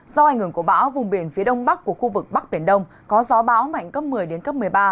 do ảnh hưởng của bão vùng biển phía đông bắc của khu vực bắc biển đông có gió báo mạnh cấp một mươi đến cấp một mươi ba